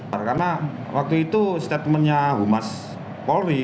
karena waktu itu statementnya humas polri